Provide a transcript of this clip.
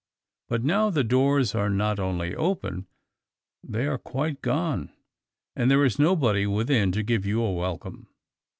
But now the doors are not only open, they are quite gone, and there is nobody within to give you a welcome.